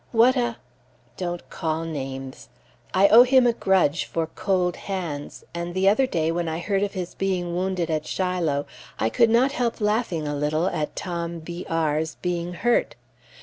What a don't call names! I owe him a grudge for "cold hands," and the other day, when I heard of his being wounded at Shiloh, I could not help laughing a little at Tom B r's being hurt.